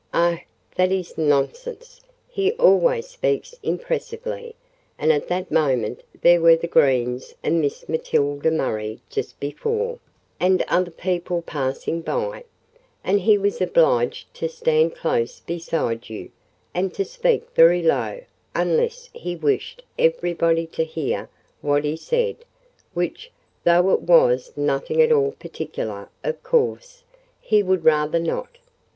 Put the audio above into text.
"Oh, that is nonsense! he always speaks impressively; and at that moment there were the Greens and Miss Matilda Murray just before, and other people passing by, and he was obliged to stand close beside you, and to speak very low, unless he wished everybody to hear what he said, which—though it was nothing at all particular—of course, he would rather not."